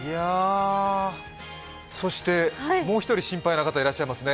そして、もう１人心配な方がいらっしゃいますね。